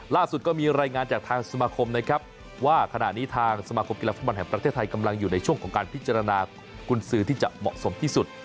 ล่าสุดก็มีรายงานจากทางสมาคมนะครับว่าขณะนี้ทางสมาคมกีฬาฟุตบอลแห่งประเทศไทยกำลังอยู่ในช่วงของการพิจารณากุญสือที่จะเหมาะสมที่สุด